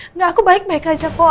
enggak aku baik baik aja kok